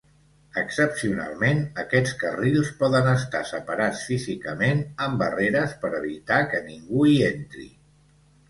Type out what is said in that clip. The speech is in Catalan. Excepcionalment, aquests carrils poden estar separats físicament amb barreres per evitar que ningú hi entri.